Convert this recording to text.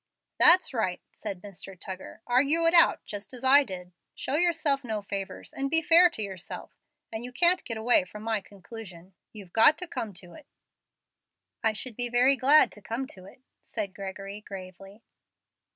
"That's right," said Mr. Tuggar; "argue it out, just as I did. Show yourself no favors, and be fair to yourself, and you can't get away from my conclusion. You've got to come to it." "I should be very glad to come to it," said Gregory, gravely.